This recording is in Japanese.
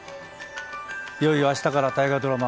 いよいよあしたから大河ドラマ